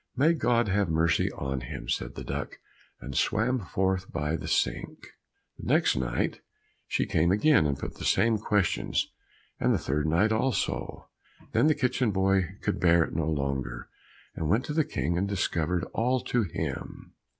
"May God have mercy on him," said the duck, and swam forth by the sink. The next night she came again and put the same questions, and the third night also. Then the kitchen boy could bear it no longer, and went to the King and discovered all to him.